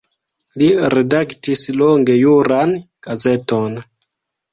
Li redaktis longe juran gazeton.